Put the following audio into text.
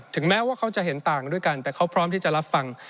แม้ว่าเขาจะเห็นต่างด้วยกันแต่เขาพร้อมที่จะรับฟัง